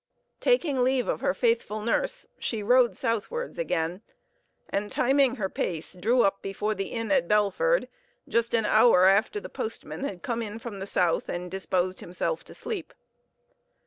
Taking leave of her faithful nurse, she rode southwards again, and, timing her pace, drew up before the inn at Belford just an hour after the postman had come in from the south and disposed himself to sleep.